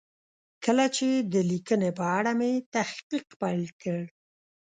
کله چې د لیکنې په اړه مې تحقیق پیل کړ.